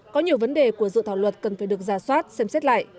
có nhiều vấn đề của dự thảo luật cần phải được ra soát xem xét lại